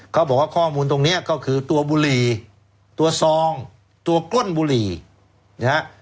เขาบอกว่าข้อมูลตรงเนี้ยก็คือตัวบุรีตัวซองตัวก้นบุรีนะฮะ